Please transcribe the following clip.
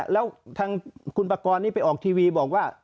แล้วทางคุณปากรนี้ไปออกทีวีบอกว่า